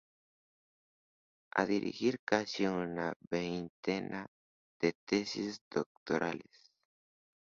Ha dirigido casi una veintena de Tesis Doctorales.